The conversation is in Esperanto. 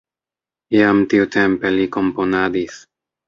Jam tiutempe li komponadis.